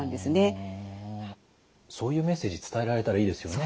そういうメッセージ伝えられたらいいですよね。